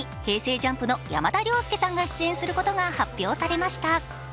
ＪＵＭＰの山田涼介さんが出演することが発表されました。